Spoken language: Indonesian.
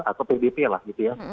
atau pdp lah gitu ya